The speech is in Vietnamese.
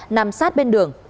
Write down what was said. nằm sát bên đường